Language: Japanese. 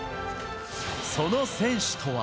その選手とは。